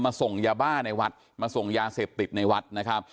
ส่งยาบ้าในวัดมาส่งยาเสพติดในวัดนะครับ